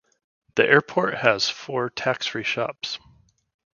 The airport has four tax-free shops.